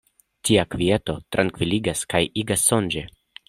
Tia kvieto trankviligas kaj igas sonĝi.